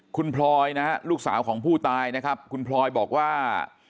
คุณพลอยนะฮะลูกสาวของผู้ตายนะครับคุณพลอยบอกว่า